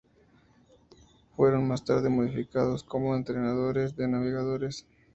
Fueron más tarde modificados como entrenadores de navegadores.